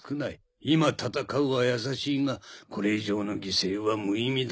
今戦うは易しいがこれ以上の犠牲は無意味だ。